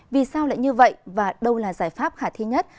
vì sao lại như vậy và đâu là giải pháp khả thi nhất